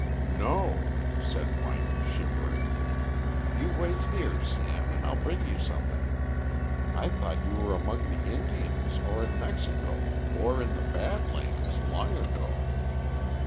"No," said Mike, shivering. "You wait here, Sam, and I'll bring you something. I thought you were among the Indians, or in Mexico, or in the Bad Lands long ago."